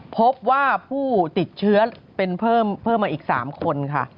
พบว่าผู้ติดเชื้อเป็นเพิ่มมาอีก๓คนค่ะ